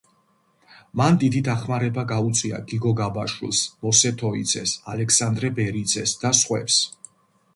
მან დიდი დახმარება გაუწია გიგო გაბაშვილს, მოსე თოიძეს, ალექსანდრე ბერიძეს და სხვებს.